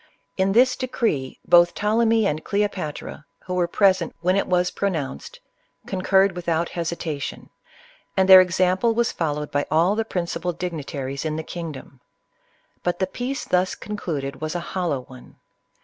In this decree, both Ptolemy and Cleopatra, who were present when it was pronounced, concurred with out hesitation ; and their example was followed by all the principal dignitaries in the kingdom. But the peace thus concluded was a hollow one.